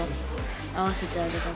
会わせてあげたい。